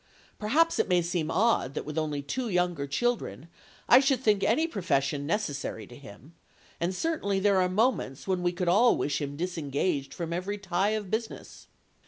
Perhaps it may seem odd, that with only two younger children, I should think any profession necessary to him; and certainly there are moments when we could all wish him disengaged from every tie of business."